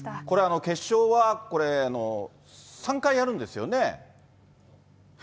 これ、決勝は３回やるんですよね。